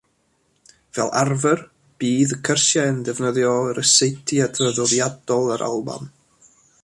Fel arfer bydd y cyrsiau'n defnyddio rysetiau traddodiadol yr Alban.